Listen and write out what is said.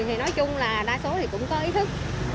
thì nói chung là đa số thì cũng có ý thức